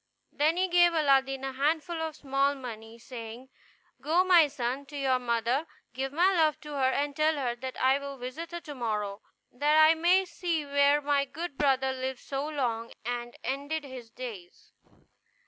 Then he gave Aladdin a handful of small money, saying, "Go, my son, to your mother, give my love to her, and tell her that I will visit her to morrow, that I may see where my good brother lived so long, and ended his days."